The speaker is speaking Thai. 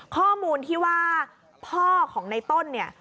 ข้อมูลที่ว่าพ่อของในต้นเนี่ย